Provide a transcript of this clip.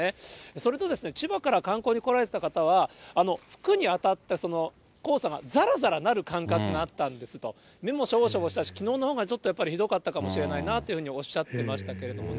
それと千葉から観光に来られた方は、服に当たったその黄砂がざらざらなる感覚があったんですと、目もしょぼしょぼしたし、きのうのほうがちょっとやっぱりひどかったかもしれないなというふうにおっしゃっていましたけれども。